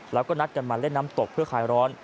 แล้วก็นัดกันมาเล่นน้ำตกเพื่อคลายร้อน